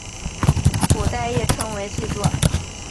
古代亦称作细作。